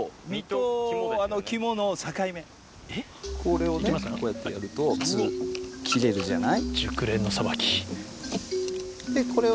これをこうやってやると普通切れるじゃない？